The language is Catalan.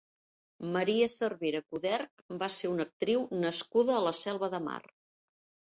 Maria Cervera Coderch va ser una actriu nascuda a la Selva de Mar.